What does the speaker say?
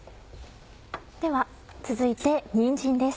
では続いてにんじんです。